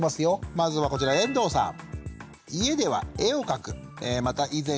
まずはこちら遠藤さん。